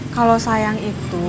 kalau sayang itu